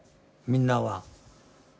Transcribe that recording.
みんなは。